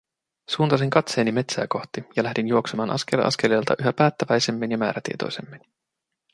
Suuntasin katseeni metsää kohti ja lähdin juoksemaan askel askeleelta yhä päättäväisemmin ja määrätietoisemmin.